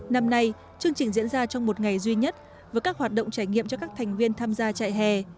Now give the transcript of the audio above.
năm nay chương trình diễn ra trong một ngày duy nhất với các hoạt động trải nghiệm cho các thành viên tham gia chạy hè